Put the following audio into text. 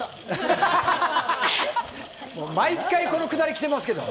毎回、このくだり来てますけど。